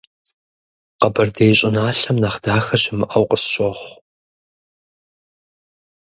Къэбэрдей щӏыналъэм нэхъ дахэ щымыӏэу къысщохъу.